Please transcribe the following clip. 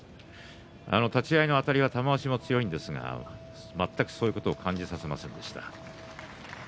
立ち合いのあたりは玉鷲も強いんですが全くそういうことを感じさせませんでした。